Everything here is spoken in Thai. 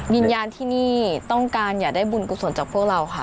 วิญญาณที่นี่ต้องการอยากได้บุญกุศลจากพวกเราค่ะ